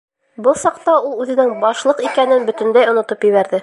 Был саҡта ул үҙенең Башлыҡ икәнен бөтөнләй онотоп ебәрҙе.